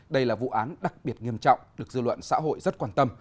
đây là vụ án đặc biệt nghiêm trọng được dư luận xã hội rất quan tâm